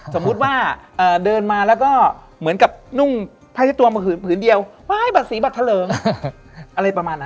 สมมุติว่าเดินมาแล้วก็เหมือนกับนุ่งผ้าที่ตัวมาผืนผืนเดียวป้ายบัตรสีบัตรทะเลิงอะไรประมาณนั้น